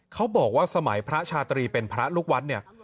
เขาบอกว่าสมัยพระชาตรีเป็นพระลูกวัดเนี่ย